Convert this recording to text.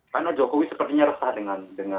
karena jokowi sepertinya resah dengan